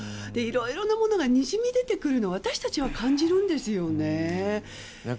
いろいろなものがにじみ出てくるのを私たちは感じるんですよね。